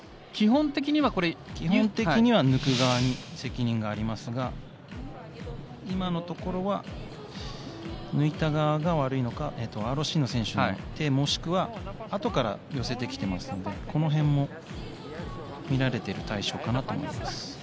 基本的には抜く側に責任がありますが今のところは抜いた側が悪いのかＲＯＣの選手、もしくは後から寄せてきていますのでこの辺も見られている対象かと思います。